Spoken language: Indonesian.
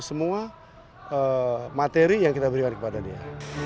semua materi yang kita berikan kepada dia